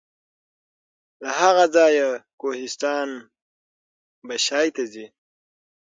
له هغه ځایه کوهستان بشای ته ځي.